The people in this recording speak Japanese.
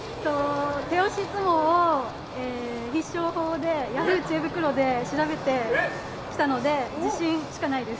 手押し相撲必勝法でヤフー知恵袋で調べてきたので自信しかないです。